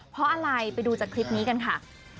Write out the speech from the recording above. เพราะอะไรไปดูจากคลิปนี้กันค่ะ